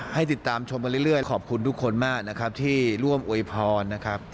ให้ติดตามชมไปเรื่อยขอบคุณทุกคนมากนะครับที่ร่วมอวยพรนะครับ